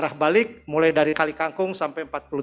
arah balik mulai dari kali kangkung sampai empat puluh tujuh